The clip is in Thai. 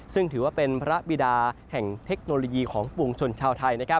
ซึ่งถือว่าเป็นพระบิดาแห่งเทคโนโลยีของปวงชนชาวไทย